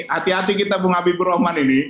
hati hati kita bung habibur rahman ini